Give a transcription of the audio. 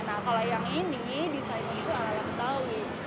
nah kalau yang ini desainnya itu ala yang tahu ya